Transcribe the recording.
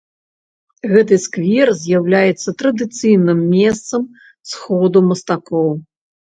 Гэты сквер з'яўляецца традыцыйным месцам сходу мастакоў.